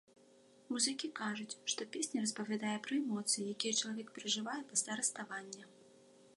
Музыкі кажуць, што песня распавядае пра эмоцыі, якія чалавек перажывае пасля раставання.